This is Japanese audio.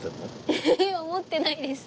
ええっ思ってないです。